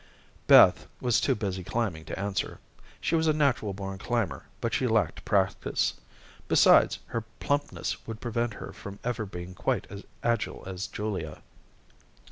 Beth was too busy climbing to answer. She was a natural born climber, but she lacked practice. Besides, her plumpness would prevent her from ever being quite as agile as Julia.